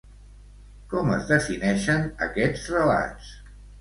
Com es defineixen aquests relats?